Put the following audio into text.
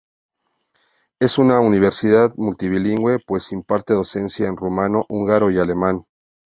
Es una universidad multilingüe, pues imparte docencia en rumano, húngaro y alemán.